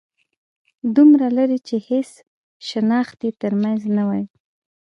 دومره لرې چې هيڅ شناخت يې تر منځ نه وای